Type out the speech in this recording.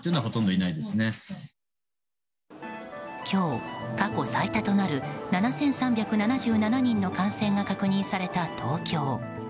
今日、過去最多となる７３７７人の感染が確認された東京。